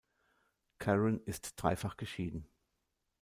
Caron ist dreifach geschieden.